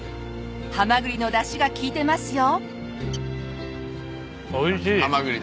ハマグリのだしが利いてますよ。